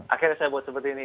akhirnya saya buat seperti ini